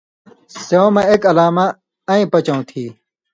سېوں مہ اک علامہ اَیں پچؤں تھی۔